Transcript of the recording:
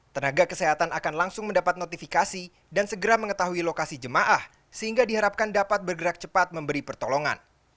tenaga kesehatan akan langsung mendapat notifikasi dan segera mengetahui lokasi jemaah sehingga diharapkan dapat bergerak cepat memberi pertolongan